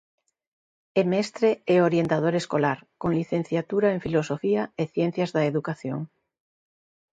É mestre e orientador escolar, con licenciatura en Filosofía e Ciencias da Educación.